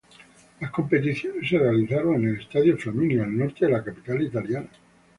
Las competiciones se realizaron en el Estadio Flaminio, al norte de la capital italiana.